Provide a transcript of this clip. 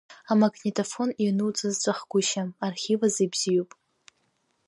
Амагнитофон иануҵаз ҵәахгәышьа, архив азы ибзиоуп.